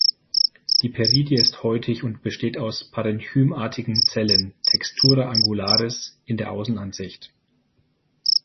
Die Peridie ist häutig und besteht aus parenchymartigen Zellen ("Textura angularis") in der Außenansicht.